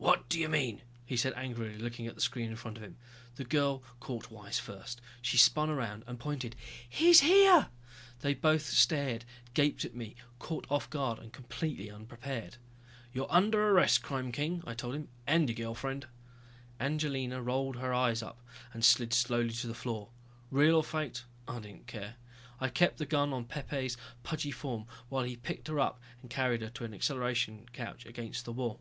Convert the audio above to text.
"What do you mean," he said angrily, looking at the screen in front of him. The girl caught wise first. She spun around and pointed. "He's here!" They both stared, gaped at me, caught off guard and completely unprepared. "You're under arrest, crime king," I told him. "And your girl friend." Angelina rolled her eyes up and slid slowly to the floor. Real or faked, I didn't care. I kept the gun on Pepe's pudgy form while he picked her up and carried her to an acceleration couch against the wall.